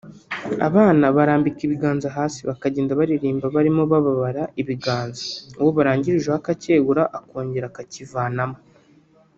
Abana barambika ibiganza hasi bakagenda baririmba barimo babara ibiganza uwo barangirijeho akacyegura bakongera akakivanamo